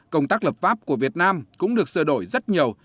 công tác lập pháp của việt nam cũng được sửa đổi rất nhiều